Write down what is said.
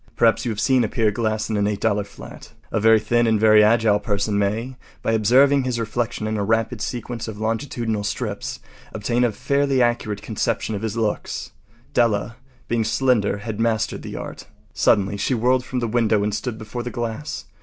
Perhaps you have seen a pier glass in an $8 flat. A very thin and very agile person may, by observing his reflection in a rapid sequence of longitudinal strips, obtain a fairly accurate conception of his looks. Della, being slender, had mastered the art. Suddenly she whirled from the window and stood before the glass.